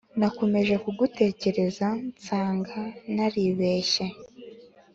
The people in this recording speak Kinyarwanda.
nakomeje kugutekereza nsaga naribeshye.